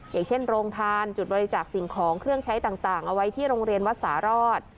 อย่างเช่นโรงทานจุดบริจาคสิ่งของเครื่องใช้ต่างเอาไว้ที่โรงเรียนวัดสารอด